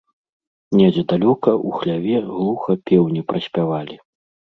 Недзе далёка, у хляве, глуха пеўні праспявалі.